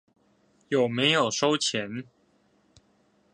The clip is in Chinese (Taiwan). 有沒有收錢